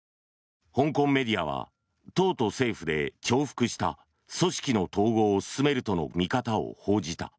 香港メディアは党と政府で重複した組織の統合を進めるとの見方を報じた。